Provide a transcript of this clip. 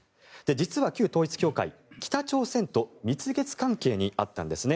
実は旧統一教会北朝鮮と蜜月関係にあったんです